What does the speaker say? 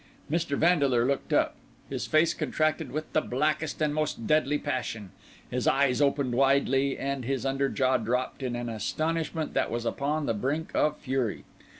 Mr. Vandeleur looked up; his face contracted with the blackest and most deadly passion; his eyes opened widely, and his under jaw dropped in an astonishment that was upon the brink of fury.